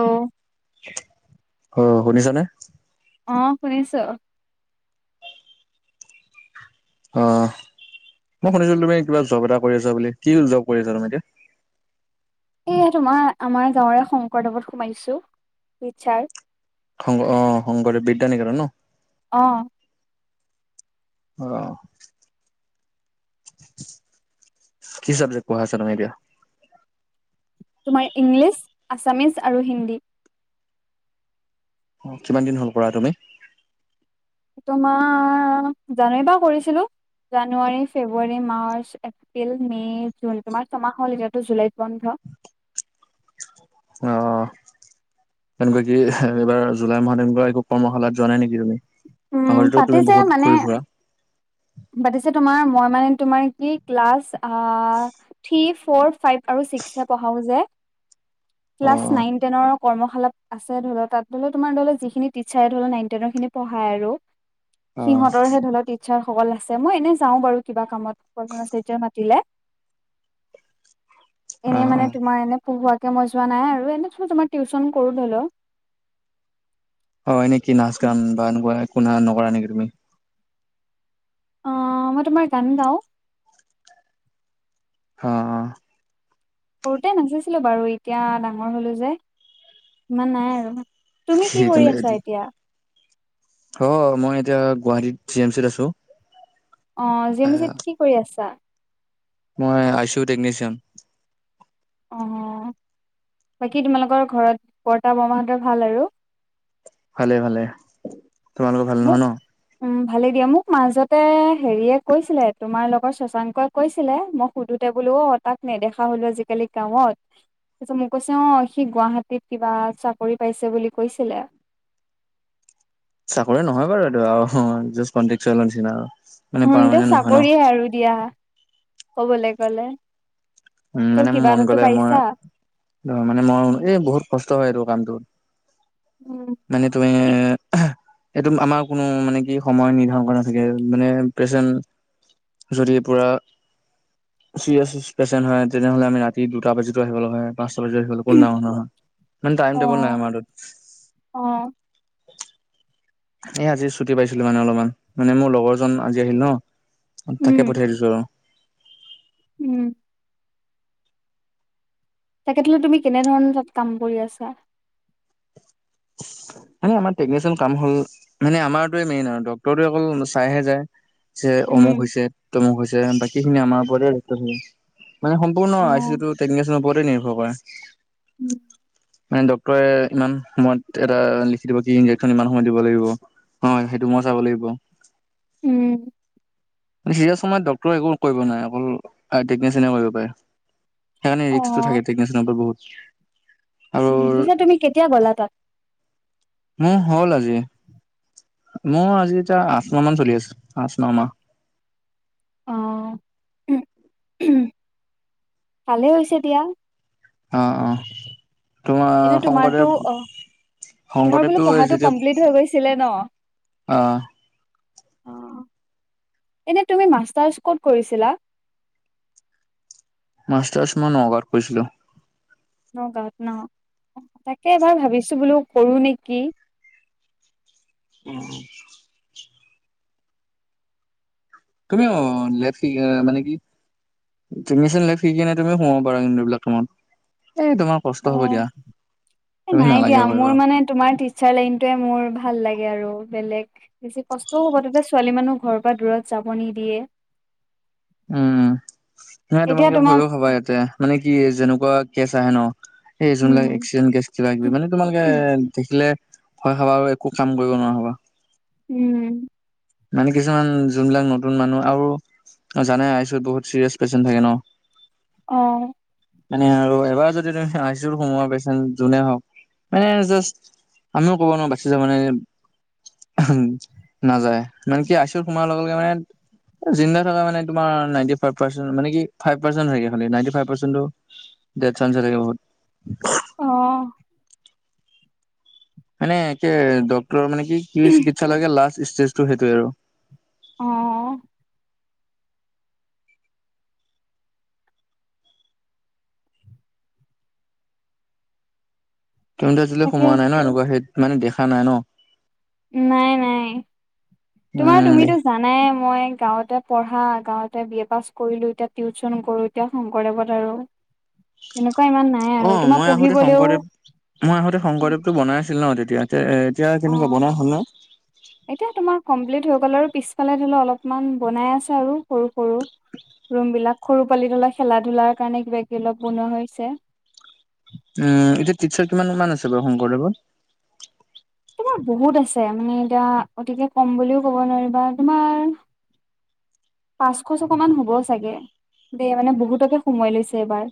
Hello hello অ শুনিছনে। অ শুনিছো। অ মই শুনিছিলো তুমি কিবা জব এটা কৰি আছা বুলি কি জব কৰি আছা তুমি এতিয়া। এইয়া তোমাৰ আমাৰ গাঁৱৰে শংকৰদেৱত সোমাইছো টিছাৰ। সং অ শংকৰদেৱ বিদ্যানিকেতণ ন। অঁ আহ কি চাবজেক্ট পঢ়াই আছা তুমি এতিয়া। তোমাৰ ইংলিছ, আছামিজ, আৰু হিন্দী, কিমান দিন হ'ল পঢ়া তুমি? তোমাৰ জানুৱাৰীৰ পৰা কৰিছিলো জানুৱাৰী ফেব্ৰুৱাৰী মাৰ্চ এ- এপ্ৰিল মে' জুন তোমাৰ ছমাহ হ'ল এতিয়াতো জুলাইত বন্ধ। অ তেনেকুৱা কি এইবাৰ জুলাই মাহত তেনেকুৱা একো কৰ্মশালাত যোৱা নাই। নেকি তুমি উম নহ'লেতো তুমি পাতিছে বহুত মানে ঘূৰি ফুৰা। পাতিছে তোমাৰ মোৰ মানে তোমাৰ কি ক্লাচ আ থ্ৰী ফৰ ফাইপ আৰু ছিক্স এই পঢ়াও যে অ ক্লাছ নাইন টেনৰক কৰ্মশালাপ, আছে ধৰো তাত ধৰিলেও তোমাৰ ধৰিলে যিখিনি টিচাৰে ধৰি লওক নাইন টেনৰ খিনি পঢ়ায়। আৰু অ সিহঁতৰ হে দলত টিছাৰ। সকল আছে মই এনে যাও বাৰু কিবা কামত প্ৰধান আচাৰ্য ই মাতিলে। [inaudible] এনেই মানে তোমাৰ এনে পো়ঢ়োকে মই যোৱা নাই আৰু এনেই তোমাৰ টিউচন কৰো। ধৰি লও হয় নেকি নাচ গান বা এনেকুৱা একো না নকৰা নেকি তুমি। অ মই তোমাৰ গান গাওঁ। হ অ সৰুতে নাচিছিলো বাৰু এতিয়া ডাঙৰ হলো যে ইমান নাই। আৰু তুমি সেই কি তেনে কৰি আছা এতিয়া। অ মই এতিয়া গুৱাহাটীত জি এম চিত আছো। অ জি এম চিত কি কৰি আছা। মই আইচু টেকনিচিয়ান। অঁ বাকী তোমালোকৰ ঘৰত বৰ্তা, বৰমাহঁতৰ, ভাল। আৰু ভালে ভালে তোমালোকৰ ভাল মোক নহয়। ন উম ভালে দিয়া মোক মাজতে হেৰিয়ে কৈছিলে তোমাৰ লগৰ শশাংকই কৈছিলে মই সুধোতে বোলো অ তাক নেদেখা হলো আজিকালি গাঁৱত তাৰপিছত মোক কৈছে অ সি গুৱাহাটীত কিবা চাকৰি পাইছে বুলি কৈছিলে চাকৰি নহয় বাৰু এইটো আৰু জাষ্ট কনটেচূৱেলৰ নিচিনা আৰু মানে পাৰমানেণ্ট নহয় ন চাকৰিয়ে আৰু দিয়া কবলৈ গলে উম তেওঁ মানে মোৰ কিবা মন এটাতো গ'লে মই পাইছা মানে মই এই বহুত কষ্ট হয় এইটো কামটো উম মানে তুমি এইটো আমাৰ কোনো মানে কি সময় নিৰ্ধাৰণ কৰা নাথাকে মানে পেচেণ্ট যদি পূৰা চিৰিয়াছ পেচেণ্ট হয় তেনেহ'লে আমি ৰাতি দুটা বাজিতো আহিব লগা হয়। কোনো ডাঙৰ নহয় টাইম অ টেবুল নাই আমাৰ তাত অ এই আজি ছুটি পাইছিলো মানে অলপমান মানে মোৰ লগৰজন আজি আহিল ন তাকে উম পঠিয়াই দিছো আৰু উম তাকেত হলে তুমি কেনেধৰণৰ তাত কাম কৰি আছা? মানে আমাৰ টেকনিচিয়েল কাম হ'ল মানে আমাৰতয়ে মেইন আৰু ডক্তৰে অকল চাইহে যায় যে উম অমুক হৈছে তমুক হৈছে বাকী খিনি আমাৰ ওপৰতে বাকীখিনি আমাৰ ওপৰত হে মানে সম্পূৰ্ণ অ আইচি টো টেকচিয়ানৰ ওপৰতে হে নিৰ্ভৰ কৰে। উম মানে ডক্টৰে ইমান সময়ত এটা লিখি দিব কি ইনজেকচন ইমান সময় দিব লাগিব হয় সেইটো মই চাব লাগিব। উম চিৰিয়া সময়ত ডক্টৰে একো কৰিব নাই অকল কৰিব পাৰে সেইকাৰনে অ ৰিক্স টো থাকে টকনেচনৰ ওপৰত বহুত আৰু উম পিছে তুমি কেতিয়া গ'লা তাত মোৰ হ'ল আজি মোৰ আজি এতিয়া আঠ ন মান চলি আছে আঠ ন মাহ অ ভালেই হৈছে এতিয়া অঁ অঁ এনে তোমাৰ তোমাৰতো শংকৰদেৱ অ তোমাৰ বোলো শংকৰদেৱটো পঢ়াটো যেতিয়া কমপ্লিট হৈ গৈছিলে ন অ অ এনে তুমি মাষ্টাৰ্চ ক'ত কৰিছিলা? মাষ্টাৰছ মই নগাৰ কৰিছিলো। নগাঁৱত ন তাকে এবাৰ ভাবিছো বোলো কৰো নেকি। উম তুমিও লে মানে কি তুমি চোন লে সি কিনে তুমি সোমাব পাৰা কিন্তু বিলাক তোমত এই তোমাৰ কষ্ট অ হ'ব দিয়া এ তুমি নাই নালাগে দিয়া ভয় মোৰ খাব। মানে তোমাৰ চাৰ লনটোৱে মোৰ ভাল লাগে আৰু বেলেগ বেছি কষ্টও হ'ব তোতে ছোৱালী মানুহ ঘৰৰ পৰা দূৰত যাব নিদিয়ে। [inaudible] উম নাই এতিয়া তোমালোকে তোমাৰ ভয়ো হবা ইয়াতে মানে কি যেনেকুৱা কেচ আহে ন সেই যোনবিলাক উম এক্সিডেণ্ট কেছ কিবা কিবি মানে তোমালোকে দেখিলে ভয় খাবা আৰু একো কাম কৰিব নোৱাৰা হবা উম মানে কিছুমান যোনবিলাক নতুন মানুহ আৰু জানাই আ চি ইউত বহুত চিৰিয়াছ পেচেণ্ট থাকে ন অ মানে আৰু এবাৰ যদি তুমি আই চি ইউত সোমোৱা পেচেণ্ট যোনে হওক মানে জাষ্ট আমিও ক'ব নোৱাৰো বাচি যাব নে উ নাযায় মানে কি আই চি ইউত সোমাৱাৰ লগে লগে মানে জিন্দা থকা মানে তোমাৰ নাইনটি ফাইভ পাৰ্চেণ্ট মানে কি ফাইভ পাৰ্চেণ্ট হয়গে খালি নাইনটি ফাইভ পাৰ্চেণ্টো ডেট চাঞ্চহে থাকে বহুত অ মানে একে ডক্তৰৰ মানে কি চিকিৎসা লাগে লাষ্ট ষ্টেজটো সেইটোৱে আৰু অ তুমিতো আজিলৈ তাকে সোমোৱা নাই ন এনেকোৱা সেইত মানে দেখা নাই ন নাই নাই তোমাৰ উম তুমিতো জানাই মই গাঁৱতে পঢ়া গাঁৱতে বি এ পাছ কৰিলো এতিয়া টিউচন কৰো এতিয়া শংকৰদেৱত আৰু তেনেকোৱা ইমান নাই আৰু অ' তোমাৰ মই আহোতে পঢ়িবলেও শংকৰদেৱ মই আহোতে শংকৰদেৱটো বনাই আছিল ন তেতিয়া তে এতিয়া কেনেকোৱা অ বনাই হ'ল নে এতিয়া তোমাৰ কমপ্লিট হৈ গ'ল আৰু পিছফালে ধৰি লও অলপমান বনাই আছে আৰু সৰু সৰু ৰুম বিলাক সৰু পোৱালী ধৰি লক খেলা ধূলাৰ কাৰণে কিবা কিবি অলপ বনোৱা হৈছে উম এতিয়া টিচাৰ কিমান কিমান আছে বাৰু শংকৰদেৱত? এ বহুত আছে মানে এতিয়া অতিকে কম বুলিও ক'ব নোৱাৰি বা তোমাৰ পাঁচশ ছশ মান হ'ব চাগে দেই মানে বহুতকে সোমাৱাই লৈছে এইবাৰ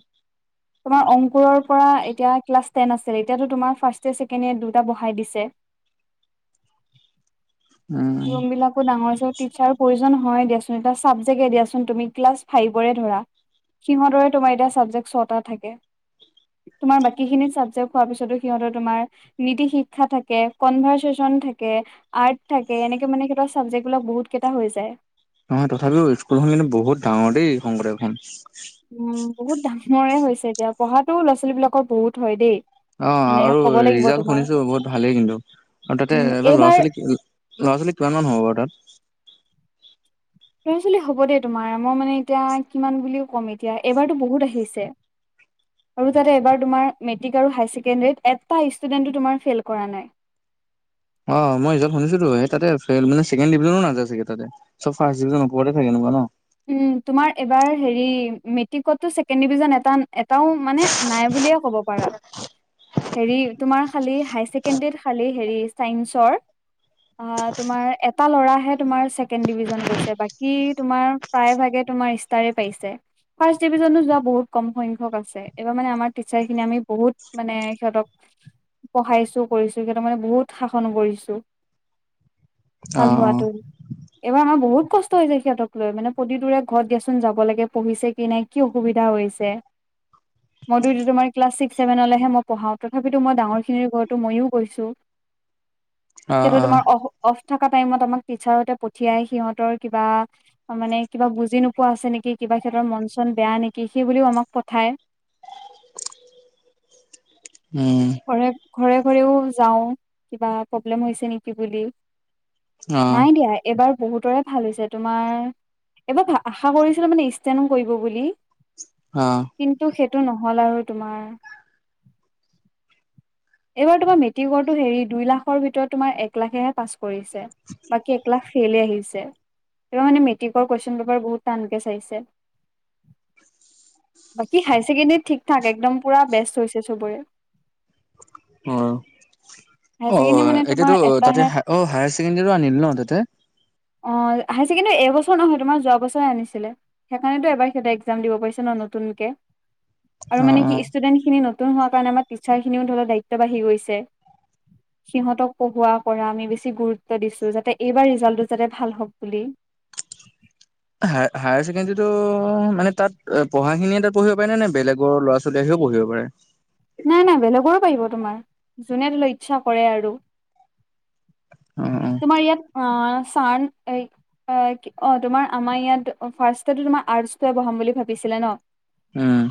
তোমাৰ অংকুৰৰ পৰা এতিয়া ক্লাছ টেন আছিল এতিয়াতো তোমাৰ ফাৰ্ষ্ট ইয়েৰ ছেকেণ্ড ইয়েৰ দুটা বহাই দিছে [unintelligible] উম ৰুমবিলাকো ডাঙৰ চ টিছাৰো প্ৰয়োজন হয় দিয়াচোন এটা চাবজেক্টে দিয়া চোন তুমি ক্লাছ ফাইভৰে ধৰা সিহঁতৰে তোমাৰ এতিয়া ছাবজেক্ট ছটা থাকে তোমাৰ বাকীখিনি চাবজেক্ট হোৱাৰ পিছতো সিহঁতৰ তোমাৰ নীতি শিক্ষা থাকে কনভাৰ্চেচন থাকে আৰ্ট থাকে এনেকে মানে সিহঁতৰ চাবজেক্ট বিলাক বহুত কেইটা হৈ যায় নহয় তথাপিও স্কুলখন কিন্তু বহুত ডাঙৰ দেই শংকৰদেৱখন। উম বহুত ডাঙৰে হৈছে এতিয়া পঢ়াটো ল'ৰা ছোৱালী বিলাকৰ বহুত হয় দেই অ' মানে আৰু ক'ব লাগিব ৰিজাল্ট তোমাৰ শুনিছো বহুত ভালেই কিন্তু আৰু তাতে উম এবাৰ ল'ৰা এইবাৰ ছোৱালীক ল'ৰা ছোৱালী কিমান হব বাৰু তাত ল'ৰা ছোৱালী হ'ব দে তোমাৰ মই মানে এতিয়া কিমান বুলিও ক'ম এতিয়া এইবাৰতো বহুত আহিছে আৰু তাতে এবাৰ তোমাৰ মেট্ৰিক আৰু হায় ছেকেণ্ডাৰীত এটা ষ্টুডেন্টো তোমাৰ ফেইল কৰা নাই। অ' মই ৰিজাল্ট শুনিছোতো এই তাতে ছেকেণ্ড ডিভিজনো নাযায় চাগে তাতে চব ফাৰ্ষ্ট ডিভিজন ওপৰতে থাকে এনেকোৱা ন উম তোমাৰ এবাৰ হেৰি মেট্ৰিকতো ছেকেণ্ড ডিভিজন এটা এটাও মানে নাই বুলিয়ে ক'ব পাৰা। হেৰি তোমাৰ খালী হায় ছেকেণ্ডৰীত খালী হেৰি চাইন্সৰ অ' তোমাৰ এটা ল'ৰাহে তোমাৰ ছেকেণ্ড ডিভিজন গৈছে বাকী তোমাৰ প্ৰায়ভাগে তোমাৰ ইষ্টাৰে পাইছে ফাৰ্ষ্ট ডিভিজনো যোৱা বহুত কম সংখ্যক আছে এইবাৰ মানে আমাৰ টিচাৰ খিনি আমি বহুত মানে সিহঁতক পঢ়াইছো কৰিছো সিহঁতক মানে বহুত শাসন কৰিছো। অ ভাল হোৱাটো এইবাৰ আমাৰ বহুত কষ্ট হৈছে সিহঁতক লৈ, মানে প্ৰতিতোৰে ঘৰত দিয়াচোন যাব লাগে পঢ়িছে কি নাই? কি অসুবিধা হৈছে? [inaudible] মইটো তোমাৰ ক্লাছ ছিক্স ছেভেনলৈহে পঢ়াও। তথাপিতো মই ডাঙৰ খিনিৰ ঘৰতো মইও গৈছো। অ অ সিহঁতৰ তোমাৰ অ অফ থকা টাইমত আমাক টিচাৰহতে পঠিয়াই সিহঁতৰ কিবা মানে কিবা বুজি নোপোৱা আছে নেকি? কিবা সিহঁতৰ মন চন বেয়া নেকি সেই বুলিও আমাক পঠায়, উম ঘৰে ঘৰে ঘৰেও যাওঁ, কিবা প্ৰব্লেম হৈছে নেকি বুলি। অ নাই দিয়া এইবাৰ বহুতৰে ভাল হৈছে তোমাৰ এইবাৰ আশা কৰিছিলো মানে ষ্টেনো কৰিব বুলি, অ। কিন্তু সেইটো নহ'ল আৰু তোমাৰ এইবাৰ তোমাৰ মেট্ৰিকটো হেৰি দুই লাখৰ ভিতৰত তোমাৰ এক লাখেহে পাছ কৰিছে। বাকী একলাখ ফেইলে আহিছে। এইবাৰ মানে মেট্ৰিকৰ কুৱেশ্যন পেপাৰ বহুত টানকে চাইছে। বাকী হায়াৰ ছেকেণ্ডেৰী ঠিক ঠাক একদম পুৰা বেষ্ট হৈছে চবৰে। অ হায়াৰ অ ছেকেণ্ডেৰী মানে তোমাৰ এতিয়াতো তাতে এটাহে অ হায়াৰ ছেকেণ্ডেৰী আনিল ন তাতে? অ হাইয়াৰছেকেণ্ডাৰী এইবছৰ নহয় তোমাৰ যোৱা বছৰে আনিছিলে। সেইকাৰণেতো এবাৰ সিহঁত একজাম দিব পাৰিছে ন নতুনকে। আৰু অ মানে অ কি ষ্টুডেণ্ট খিনি নতুন হোৱাৰ কাৰণে আমাৰ টিচাৰ খিনিও ধৰিলোৱা দায়িত্ব বাঢ়ি গৈছে। [inaudible] সিহঁতক পঢ়োৱা কৰা আমি বেছি গুৰুত্ব দিছোঁ, যাতে এইবাৰ ৰিজালটো যাতে ভাল হওক বুলি। হায়াৰ-হায়াৰ ছেকেণ্ডাৰীটো মানে তাত পঢ়াখিনিয়ে তাত পঢ়িব পাৰে নে বেলেগৰ ল'ৰা ছোৱালী আহিও পঢ়িব পাৰে? নাই নাই বেলেগৰো পাৰিব তোমাৰ, যোনে ধৰি লো ইচ্ছা কৰে আৰু। অ অ তোমাৰ ইয়াত অ চান অ তোমাৰ আমাৰ ইয়াত ফাৰ্ষ্টো তোমাৰ আৰ্টছটোৱে পঢ়াম বুলি ভাবিছিলে ন, উম।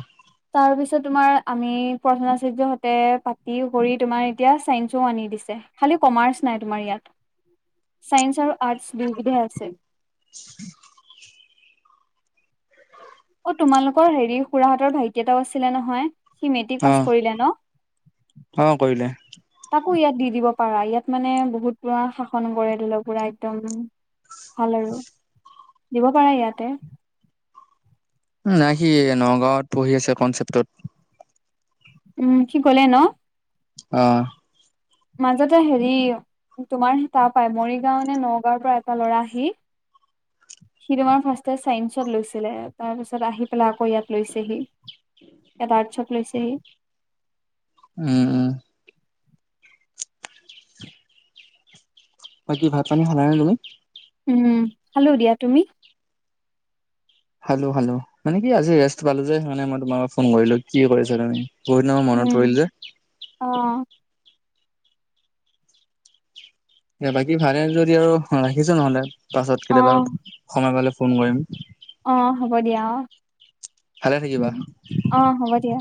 তাৰপিছত তোমাৰ আমি প্ৰধান আচাৰ্য্যহতে পাতিও কৰি তোমাৰ এতিয়া ছাইন্সও আনি দিছে। খালি কমাৰ্চ নাই তোমাৰ ইয়াত। চাইন্স আৰু আৰ্টচ দুয়বিধে আছে। [unintelligible] অ তোমালোকৰ হেৰি খুৰাহঁতৰ ভাইটি এটাও আছিলে নহয়, সি মেট্ৰিক অ পাছ কৰিলে ন? অ কৰিলে। তাকো ইয়াত দি দিব পাৰা। ইয়াত মানে বহুত পুৰা শাসন কৰে ধৰি লওক পুৰা একদম ভাল আৰু, দিব পাৰা ইয়াতে। উ নাই সি নগাঁৱত পঢ়ি আছে কনচেপ্টত। উম সি গ'লে ন? অ। মাজতে হেৰি তোমাৰ তাৰ পাই, মৰিগাঁও নে নগাঁওৰ পৰা এটা ল'ৰা আহি সি তোমাৰ ফাৰ্ষ্টে চাইন্সত লৈছিলে, তাৰ পিছত আহি পেলাই আকৌ ইয়াত লৈছেহি। ইয়াত আৰ্ষ্টত লৈছেহি। উম, উম। বাকী ভাত পানী খালানে তুমি? উম, খালো দিয়া, তুমি? খালো, খালো মানে কি আজি ৰেষ্ট পালো যে সেইকাৰণে মই তোমাৰ ফোন কৰিলো কি কৰিছা তুমি। বহুতদিন মূৰত মনত পৰিল উম, যে। অ'। বাকী ভালে যদি আৰু ৰাখিছে নহলে, পাছত কেতিয়াবা অ', সময় পালে ফোন কৰিম। অ', হ'ব দিয়া অ'। ভালে থাকিবা। উম, অ', হ'ব দিয়া।